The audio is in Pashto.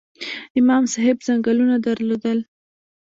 امام صاحب ځنګلونه درلودل؟